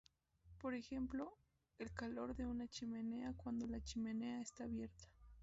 Por ejemplo, el calor de una chimenea cuando la chimenea está abierta.